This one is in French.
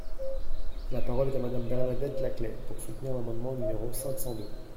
La parole est à Madame Bernadette Laclais pour soutenir l’amendement numéro cinq cent deux.